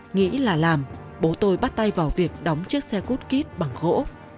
nghĩ là làm bố tôi bắt tay vào việc đóng chiếc xe cút kít bằng gỗ